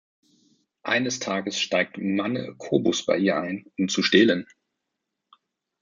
Eines Tages steigt „Manne“ Kobus bei ihr ein, um zu stehlen.